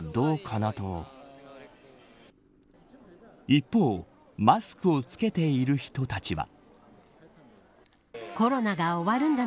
一方マスクを着けている人たちは。